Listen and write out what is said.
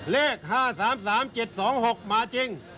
เลข๕๓๓๗๒๖มาจริง